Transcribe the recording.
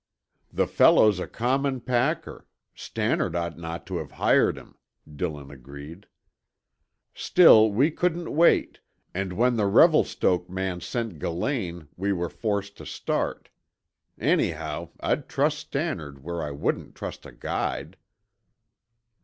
"The fellow's a common packer; Stannard ought not to have hired him," Dillon agreed. "Still we couldn't wait and when the Revelstoke man sent Gillane we were forced to start. Anyhow, I'd trust Stannard where I wouldn't trust a guide."